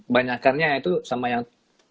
banyakannya itu sama yang